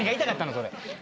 それ。